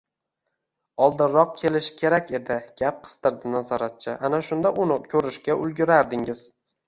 Oldinroq kelish kerak edi, gap qistirdi nazoratchi, ana shunda uni ko`rishga ulgurardinglar